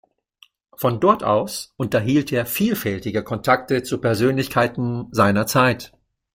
Von dort aus unterhielt er vielfältige Kontakte zu Persönlichkeiten seiner Zeit.